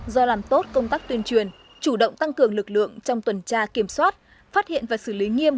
do làm tốt công tác tuyên truyền chủ động tăng cường lực lượng trong tuần tra kiểm soát phát hiện và xử lý nghiêm